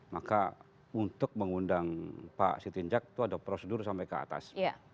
maka untuk mengundang pak sitinjak itu ada prosedur sampai ke atas